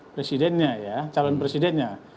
presidennya ya calon presidennya